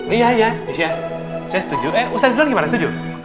ustaz bilang gimana setuju